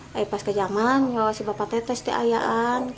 saat ke jaman si bapak saya tetap di ayahan